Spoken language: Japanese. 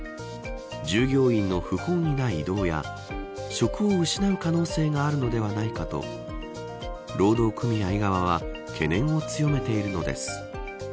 従業員の不本意な異動や職を失う可能性があるのではないかと労働組合側は懸念を強めているのです。